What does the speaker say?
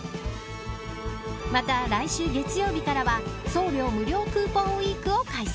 また、来週月曜日からは送料無料クーポンＷＥＥＫを開催。